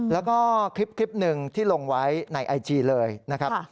แล้วก็คลิปหนึ่งที่ลงไว้ในไอจีเลยนะครับ